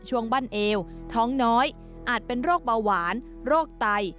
บั้นเอวท้องน้อยอาจเป็นโรคเบาหวานโรคไต